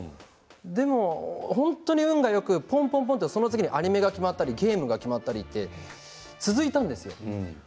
でも本当に運がよくぽんぽんぽんと次にアニメが決まったりゲームが決まったりと続いたんですね。